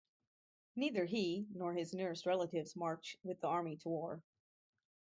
Neither he nor his nearest relatives march with the army to war.